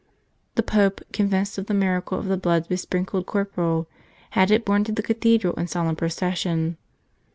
The Pope, convinced of the miracle of the blood besprinkled corporal, had it borne to the cathedral in solemn procession.